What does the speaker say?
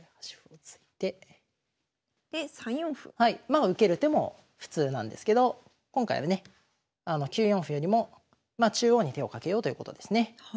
まあ受ける手も普通なんですけど今回はね９四歩よりも中央に手をかけようということですね。